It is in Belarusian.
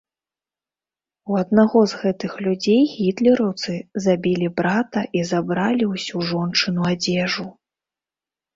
У аднаго з гэтых людзей гітлераўцы забілі брата і забралі ўсю жончыну адзежу.